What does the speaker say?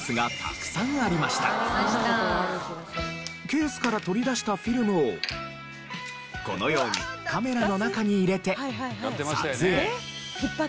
ケースから取り出したフィルムをこのようにカメラの中に入れて撮影。